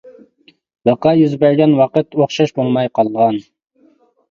ۋەقە يۈز بەرگەن ۋاقىت ئوخشاش بولماي قالغان.